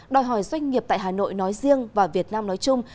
đòi hỏi doanh nghiệp tại hà nội nói riêng và việt nam nói chung